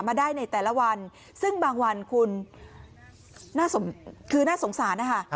มาได้ในแต่ละวันซึ่งบางวันคุณคือน่าสงสารนะคะ